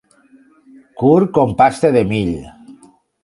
Curt com pasta de mill.